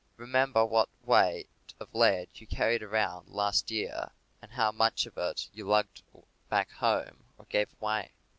Remember what a weight of lead you carried around last year, and how much of it you lugged back home, or gave away.